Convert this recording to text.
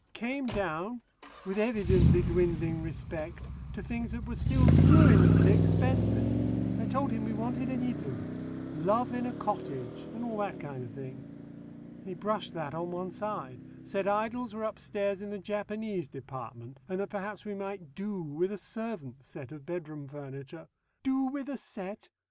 Came down, with evidently dwindling respect, to things that were still ruinously expensive. I told him we wanted an idyll love in a cottage, and all that kind of thing. He brushed that on one side, said idols were upstairs in the Japanese Department, and that perhaps we might do with a servant's set of bedroom furniture. Do with a set!